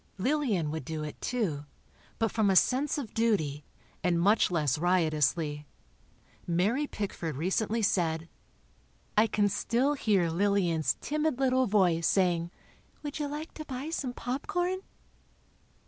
Lillian would do it, too, but from a sense of duty, and much less riotously. Mary Pickford recently said: "I can still hear Lillian's timid little voice saying: 'Would you like to buy some popcorn?!